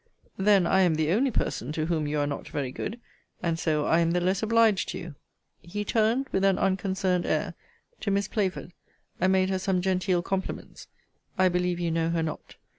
Then I am the only person to whom you are not very good: and so I am the less obliged to you. He turned, with an unconcerned air, to Miss Playford, and made her some genteel compliments. I believe you know her not.